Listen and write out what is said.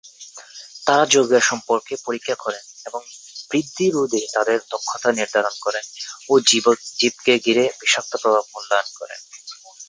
তারা যৌগের সম্পর্ককে পরীক্ষা করেন এবং বৃদ্ধি রোধে তাদের দক্ষতা নির্ধারণ করেন ও জীবকে ঘিরে বিষাক্ত প্রভাব মূল্যায়ন করেন।